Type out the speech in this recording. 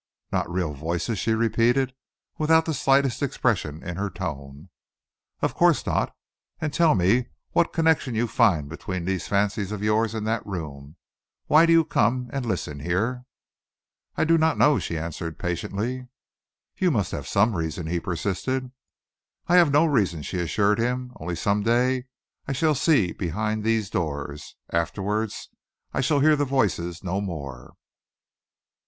"Not real voices," she repeated, without the slightest expression in her tone. "Of course not! And tell me what connection you find between these fancies of yours and that room? Why do you come and listen here?" "I do not know," she answered patiently. "You must have some reason," he persisted. "I have no reason," she assured him, "only some day I shall see behind these doors. Afterwards, I shall hear the voices no more."